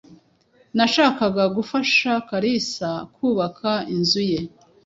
Nashakaga gufasha Kalisa kubaka inzu ye.